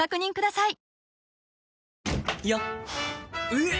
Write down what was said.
えっ！